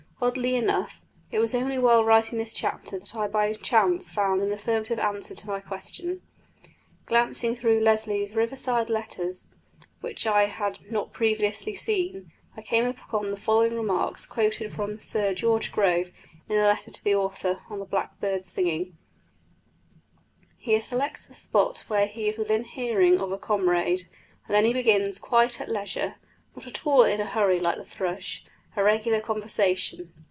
Oddly enough, it was only while writing this chapter that I by chance found an affirmative answer to my question. Glancing through Leslie's Riverside Letters, which I had not previously seen, I came upon the following remarks, quoted from Sir George Grove, in a letter to the author, on the blackbird's singing: "He selects a spot where he is within hearing of a comrade, and then he begins quite at leisure (not all in a hurry like the thrush) a regular conversation.